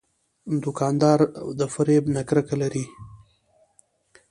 دوکاندار د فریب نه کرکه لري.